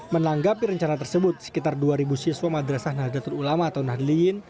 menanggapi rencana tersebut sekitar dua siswa madrasah nahdlatul ulama atau nahdliyin